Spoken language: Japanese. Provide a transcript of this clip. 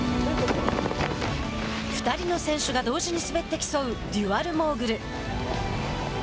２人の選手が同時に滑って競うデュアルモーグル。